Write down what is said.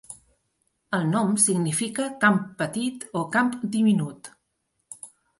El nom significa "camp petit" o "camp diminut".